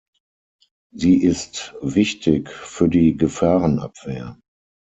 Sie ist wichtig für die Gefahrenabwehr.